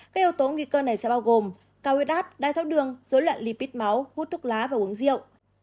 các yếu tố nguy cơ này sẽ bao gồm cao huyết áp đai tháo đường dối loạn lipid máu hút thuốc lá và uống rượu